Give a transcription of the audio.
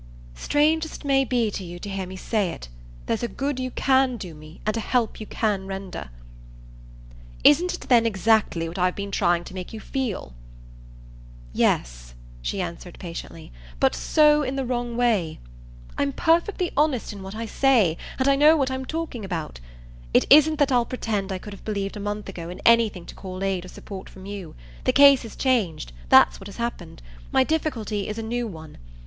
"Strange as it may be to you to hear me say it, there's a good you can do me and a help you can render." "Isn't it then exactly what I've been trying to make you feel?" "Yes," she answered patiently, "but so in the wrong way. I'm perfectly honest in what I say, and I know what I'm talking about. It isn't that I'll pretend I could have believed a month ago in anything to call aid or support from you. The case is changed that's what has happened; my difficulty is a new one.